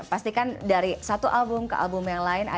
pastikan dari satu album ke album yang lain